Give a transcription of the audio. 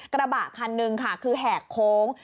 กระบะคันหนึ่งค่ะคือแหกโค้ง